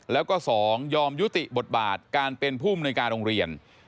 แล้วก็๒ยอมยุติบทบาทการเป็นผู้มนุยการโรงเรียน